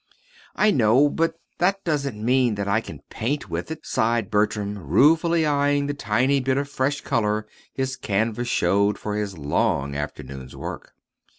"I know; but that doesn't mean that I can paint with it," sighed Bertram, ruefully eyeing the tiny bit of fresh color his canvas showed for his long afternoon's work.